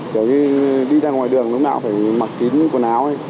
kiểu đi ra ngoài đường lúc nào phải mặc kín quần áo